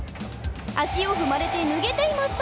足を踏まれて脱げていました。